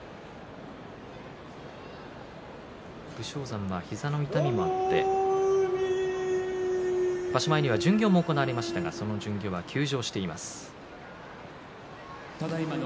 武将山は膝の痛みもあって場所前には巡業も行われましたが休場しています。